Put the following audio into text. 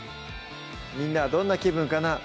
みんなはどんな気分かなぁ